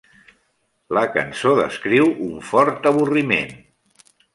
La cançó descriu un fort avorriment.